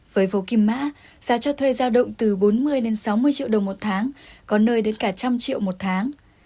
với phố kim mã giá cho thuê giao động từ bốn mươi sáu mươi triệu đồng một tháng có nơi đến cả một trăm linh triệu một tháng